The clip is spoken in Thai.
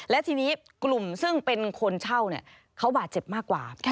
และทีนี้กลุ่มซึ่งเป็นคนเช่าเขาบาดเจ็บมากกว่า